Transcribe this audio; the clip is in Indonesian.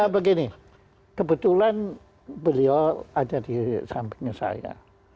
begini kebetulan beliau ada di sampingnya saya